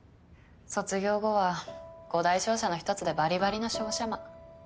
卒業後は五大商社の１つでばりばりの商社マン。